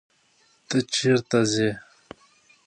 ته چیرته ځې.